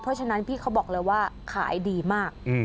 เพราะฉะนั้นพี่เขาบอกเลยว่าขายดีมาก